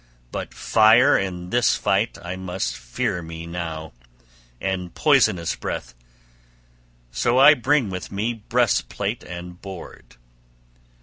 But fire in this fight I must fear me now, and poisonous breath; so I bring with me breastplate and board.